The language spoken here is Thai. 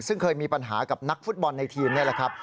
ซึ่งเคยมีปัญหากับนักฟุตบอลในทีมนี่แหละครับ